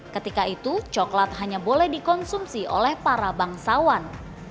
ketika itu coklat hanya boleh dikonsumsi oleh para bangsawan